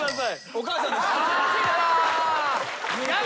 お母さんです。